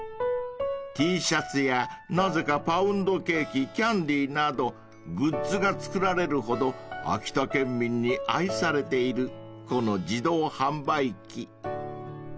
［Ｔシャツやなぜかパウンドケーキキャンディーなどグッズが作られるほど秋田県民に愛されているこの自動販売機］